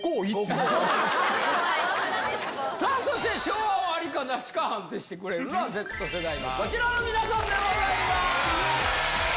さあそして昭和、ありかなしかを判定してくれるのは、Ｚ世代のこちらの皆さんでございます。